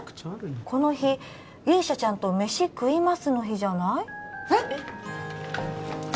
この日勇者ちゃんと「メシ食います」の日じゃない？えっ？